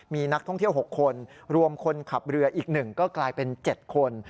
มีนักท่องเที่ยว๖คนรวมคนขับเรืออีก๑ก็กลายเป็น๗คน